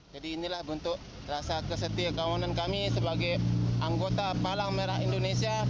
jadi inilah bentuk rasa kesetia kawanan kami sebagai anggota palang merah indonesia